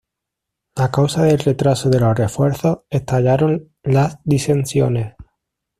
A causa del retraso de los refuerzos, estallaron las disensiones.